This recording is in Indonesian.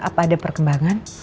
apa ada perkembangan